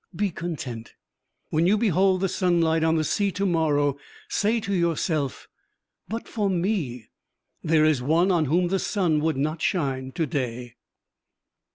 Be content. When you behold the sunlight on the sea to morrow, say to yourself, "But for me there is one on whom the sun would not shine to day."'